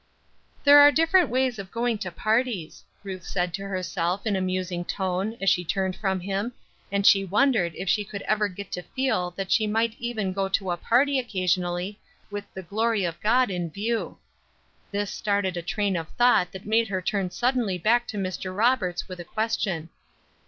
"There are different ways of going to parties," Ruth said to herself in a musing tone as she turned from him, and she wondered if she could ever get to feel that she might even go to a party occasionally, with the glory of God in view. This started a train of thought that made her turn suddenly back to Mr. Roberts with a question.